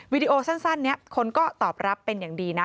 ดีโอสั้นนี้คนก็ตอบรับเป็นอย่างดีนะ